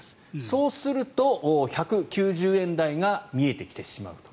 そうすると１９０円台が見えてきてしまうと。